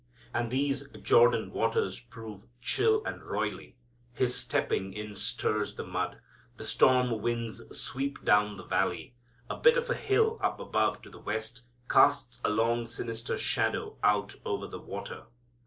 And these Jordan waters prove chill and roily. His stepping in stirs the mud. The storm winds sweep down the valley. A bit of a hill up above to the west casts a long sinister shadow out over the water.